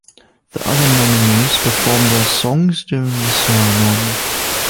The other nominees performed their songs during the ceremony.